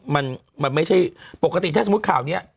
มันมันไม่ใช่ปกติถ้าสมมุติข่าวนี้